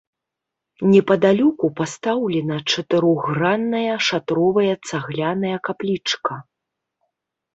Непадалёку пастаўлена чатырохгранная шатровая цагляная каплічка.